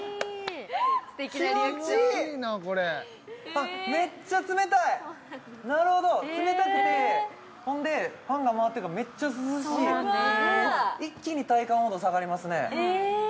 あっめっちゃ冷たいなるほど冷たくてほんでファンが回ってるからめっちゃ涼しいそうなんです